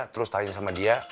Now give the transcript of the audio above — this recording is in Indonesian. terus tanya sama dia